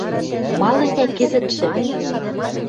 Малын йӓ кӹзӹтшӹ